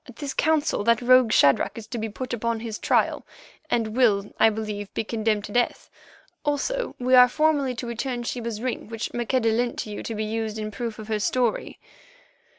At this council that rogue Shadrach is to be put upon his trial, and will, I believe, be condemned to death. Also we are formally to return Sheba's ring which Maqueda lent to you to be used in proof of her story.